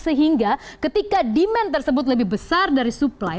sehingga ketika demand tersebut lebih besar dari supply